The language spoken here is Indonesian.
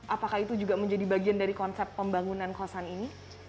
apakah itu juga menjadi bagian dari konsep pembangunan kosannya